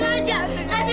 aku tidak sengaja